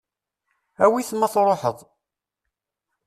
Awi-t ma tṛuḥeḍ.